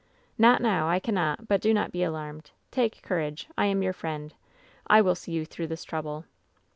" 'Not now ! I cannot ! But do not be alarmed ! Take courage! I am your friend! I will see you through this trouble.'